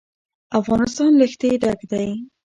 افغانستان له ښتې ډک دی.